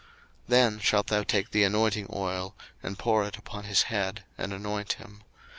02:029:007 Then shalt thou take the anointing oil, and pour it upon his head, and anoint him.